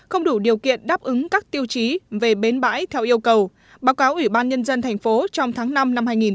không đủ điều kiện đáp ứng các tiêu chí về bến bãi theo yêu cầu báo cáo ubnd tp trong tháng năm năm hai nghìn một mươi chín